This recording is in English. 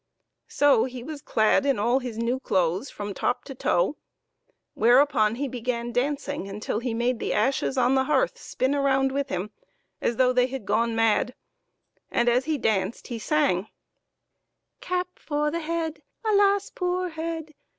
So he was clad all in his new clothes from top to toe, whereupon he began dancing until he made the ashes on the hearth spin around with him as though they had gone mad, and, as he danced, he sang: " Cap for the head, alas poor head